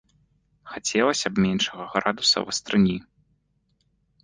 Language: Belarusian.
Хацелася б меншага градуса вастрыні.